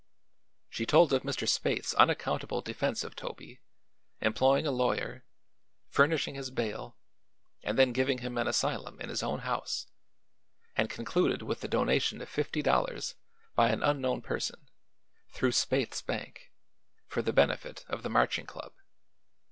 She told of Mr. Spaythe's unaccountable defense of Toby, employing a lawyer, furnishing his bail, and then giving him an asylum in his own house, and concluded with the donation of fifty dollars by an unknown person through Spaythe's bank for the benefit of the Marching Club.